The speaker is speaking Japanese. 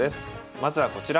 まずはこちら。